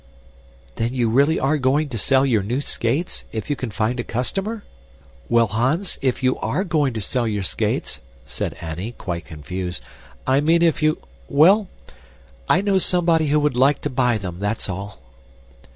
"Then you really are going to sell your new skates if you can find a customer?" "Well, Hans, if you ARE going to sell your skates," said Annie, quite confused, "I mean if you well, I know somebody who would like to buy them, that's all."